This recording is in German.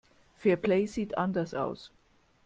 Fairplay sieht anders aus.